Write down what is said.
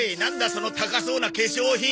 その高そうな化粧品。